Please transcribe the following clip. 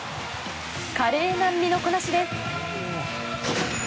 華麗な身のこなしです。